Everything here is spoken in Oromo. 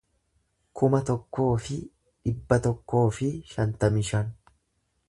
kuma tokkoo fi dhibba tokkoo fi shantamii shan